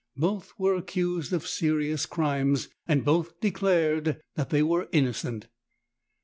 Both were accused of serious crimes, and both declared that they were innocent.